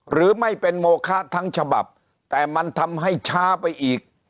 หรือไม่เป็นโมคะทั้งฉบับแต่มันทำให้ช้าไปอีก